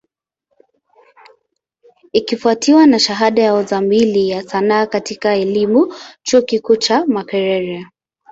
Ikifwatiwa na shahada ya Uzamili ya Sanaa katika elimu, chuo kikuu cha Makerere.